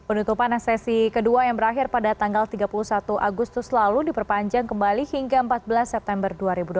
penutupan sesi kedua yang berakhir pada tanggal tiga puluh satu agustus lalu diperpanjang kembali hingga empat belas september dua ribu dua puluh